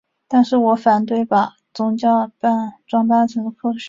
但是我反对把宗教装扮成科学。